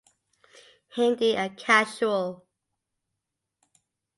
Handy and casual.